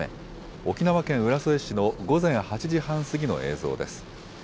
沖縄県浦添市の午前８時半過ぎの映像です。